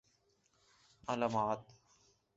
علامات